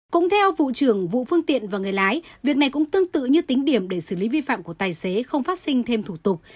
cũng theo vụ trưởng vụ phương tiện và người lái việc này cũng tương tự như tính điểm để xử lý vi phạm của tài xế không phát sinh thêm thủ tục